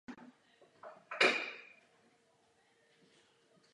Zastánci alsaského sídla se musí nechat více slyšet.